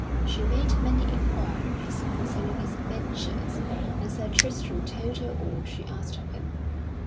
She made many inquiries concerning his adventures, and Sir Tristram told her all she asked of him.